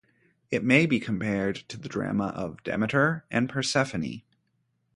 It may be compared to the drama of Demeter and Persephone.